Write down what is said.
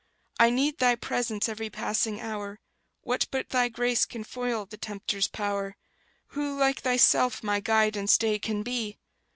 I need Thy presence every passing hour: What but Thy grace can foil the tempter's power? Who like Thyself my guide and stay can be?